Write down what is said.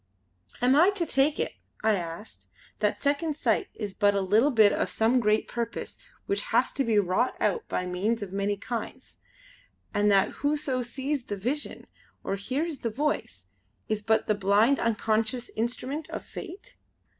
"Am I to take it" I asked, "that Second Sight is but a little bit of some great purpose which has to be wrought out by means of many kinds; and that whoso sees the Vision or hears the Voice is but the blind unconscious instrument of Fate?"